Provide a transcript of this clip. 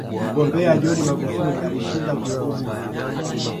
mgombea john magufuli alishinda uchaguzi huo